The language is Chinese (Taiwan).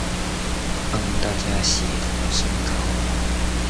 幫大家血糖升高